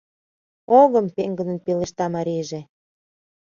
— Огым! — пеҥгыдын пелешта марийже.